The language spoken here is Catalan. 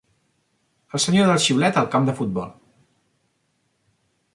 El senyor del xiulet al camp de futbol.